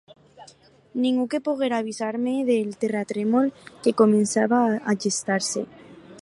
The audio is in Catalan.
Ningú que poguera avisar-me del terratrèmol que començava a gestar-se.